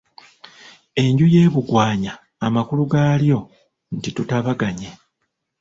Enju ye Bugwanya amakulu gaalyo nti tutabaganye.